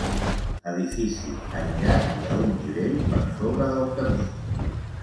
Edifici aïllat i a un nivell per sobre del camí.